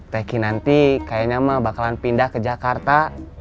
thanky nanti kayaknya mah bakalan pindah ke jakarta